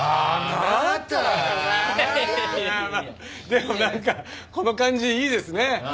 でもなんかこの感じいいですね。